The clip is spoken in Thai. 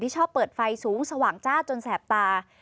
ชอบเปิดไฟสูงสว่างจ้าจนแสบตา